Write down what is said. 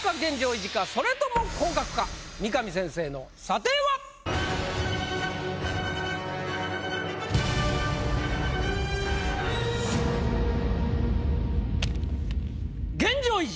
それとも降格か⁉三上先生の査定は⁉現状維持！